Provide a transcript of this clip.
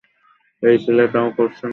এই ছেলে তাও করছে না।